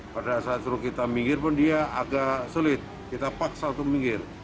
pada saat suruh kita minggir pun dia agak sulit kita paksa untuk minggir